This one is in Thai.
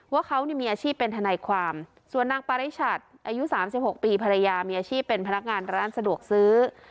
ว่าเขามีอาชีพเป็นทนายความส่วนนางปริชัดอายุ๓๖ปีภรรยามีอาชีพเป็นพนักงานร้านสะดวกซื้อ